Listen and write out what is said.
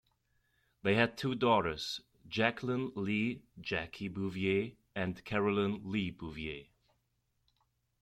They had two daughters, Jacqueline Lee "Jackie" Bouvier and Caroline Lee Bouvier.